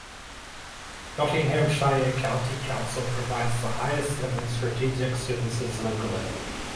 Nottinghamshire County Council provides the highest level strategic services locally.